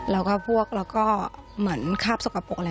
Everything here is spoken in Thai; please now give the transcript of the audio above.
แล้วก็พวกเราก็เหมือนคาบสกปรกอะไร